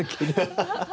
ハハハ！